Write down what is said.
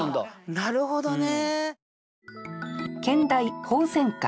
なるほどね。